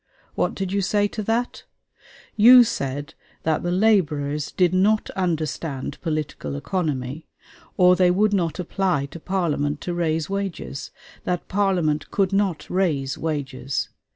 What did you say to that? You said that the laborers did not understand political economy, or they would not apply to Parliament to raise wages; that Parliament could not raise wages.